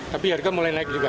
tapi harga mulai naik juga